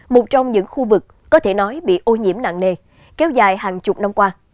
một trong những khu vực có thể nói bị ô nhiễm nặng nề kéo dài hàng chục năm qua